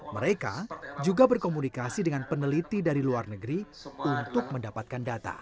mereka juga berkomunikasi dengan peneliti dari luar negeri untuk mendapatkan data